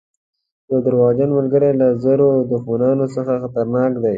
یو دروغجن ملګری له زرو دښمنانو څخه خطرناک دی.